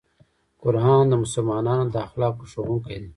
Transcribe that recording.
قرآن د مسلمان د اخلاقو ښوونکی دی.